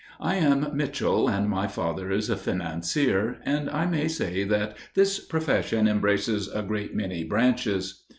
I am Mitchell, and my father is a financier, and I may say that this profession embraces a great many branches.